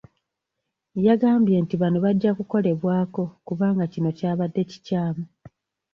Yagambye nti bano bajja kukolebweko kubanga kino kyabadde kikyamu.